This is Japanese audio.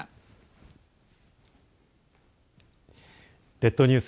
列島ニュース